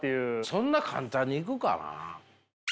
そんな簡単にいくかな。